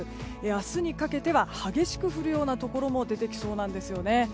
明日にかけては激しく降るようなところも出てきそうなんですよね。